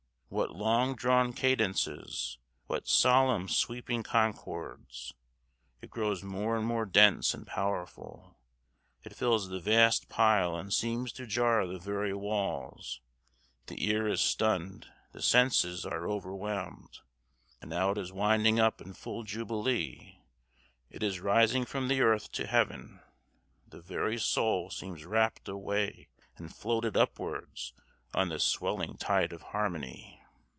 What long drawn cadences! What solemn sweeping concords! It grows more and more dense and powerful; it fills the vast pile and seems to jar the very walls the ear is stunned the senses are overwhelmed. And now it is winding up in full jubilee it is rising from the earth to heaven; the very soul seems rapt away and floated upwards on this swelling tide of harmony!